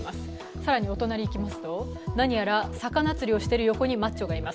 更にお隣いきますと、何やら魚釣りをしているお隣にマッチョがいます。